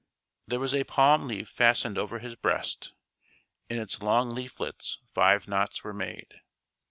There was a palm leaf fastened over his breast. In its long leaflets five knots were made.